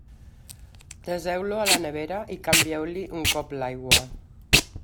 Deseu-lo a la nevera i canvieu-li un cop l'aigua.